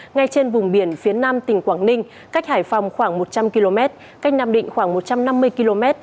ngay trên vùng biển phía nam tỉnh quảng ninh cách hải phòng khoảng một trăm linh km cách nam định khoảng một trăm năm mươi km